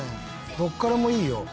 どこからもいいよ。